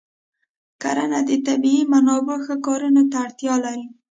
کرنه د طبیعي منابعو ښه کارونه ته اړتیا لري.